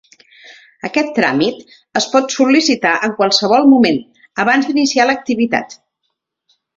Aquest tràmit es pot sol·licitar en qualsevol moment, abans d'iniciar l'activitat.